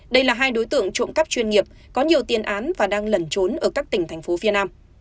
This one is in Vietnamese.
đây là hai đối tượng trộm cắp chuyên nghiệp có nhiều tiền án và đang lẩn trốn ở các tỉnh thành phố phía nam